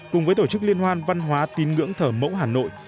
cùng với tổ chức liên hoan văn hóa tin ngưỡng thờ mẫu hà nội